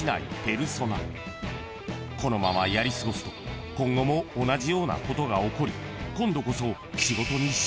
［このままやり過ごすと今後も同じようなことが起こり今度こそ］